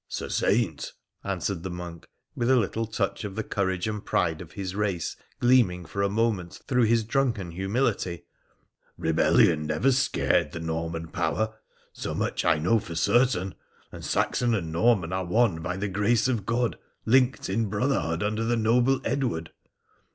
' Sir Saint,' answered the monk, with a little touch of the courage and pride of his race gleaming for a moment through his drunken humility, 'rebellion never scared the Norman power — so much I know for certain ; and Saxon and Norman are one by the grace of God, linked in brotherhood under the noble Edward.